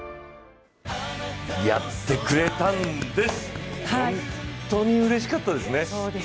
やってくれたんです、本当にうれしかったですね。